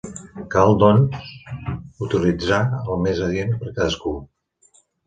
Cal doncs, utilitzar el més adient per cadascú.